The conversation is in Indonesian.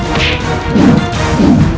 ketika kanda menang kanda menang